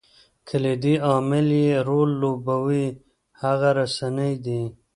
کلیدي عامل چې رول لوبوي هغه رسنۍ دي.